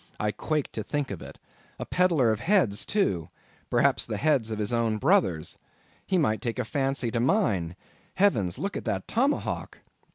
I quaked to think of it. A peddler of heads too—perhaps the heads of his own brothers. He might take a fancy to mine—heavens! look at that tomahawk!